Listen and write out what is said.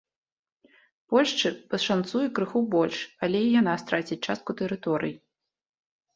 Польшчы пашанцуе крыху больш, але і яна страціць частку тэрыторый.